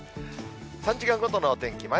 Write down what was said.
３時間ごとのお天気。